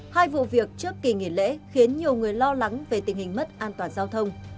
hai vụ việc trước kỳ nghỉ lễ khiến nhiều người lo lắng về tình hình mất an toàn giao thông